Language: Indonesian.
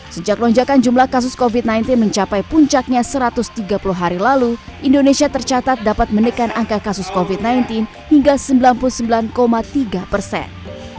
sejak lonjakan jumlah kasus covid sembilan belas mencapai puncaknya satu ratus tiga puluh hari lalu indonesia tercatat dapat menekan angka kasus covid sembilan belas hingga sembilan puluh sembilan tiga persen